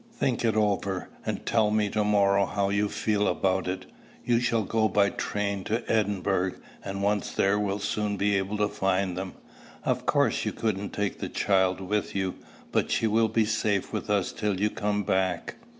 "Think it over, and tell me to morrow how you feel about it. You shall go by train to Edinburgh, and once there you will soon be able to find them. Of course you couldn't take the child with you; but she will be safe with us till you come back."